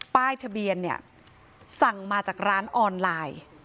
ป้ายทะเบียนเนี่ยสั่งมาจากร้านออนไลน์